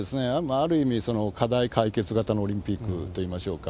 ある意味、課題解決型のオリンピックといいましょうか。